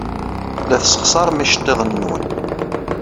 La tessexṣarem iceḍḍiḍen-nwen.